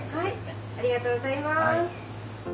ありがとうございます。